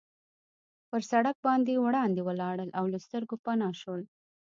پر سړک باندې وړاندې ولاړل او له سترګو پناه شول.